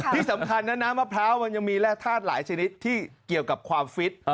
ที่สำคัญนะน้ำมะพร้าวมันยังมีแร่ธาตุหลายชนิดที่เกี่ยวกับความฟิต